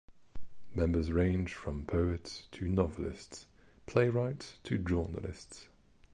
Members range from poets to novelists, playwrights to journalists.